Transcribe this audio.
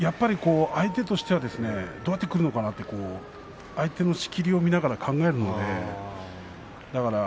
相手としてはどうやってくるのかなと相手の仕切りを見ながら考えるので。